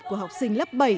của học sinh lớp bảy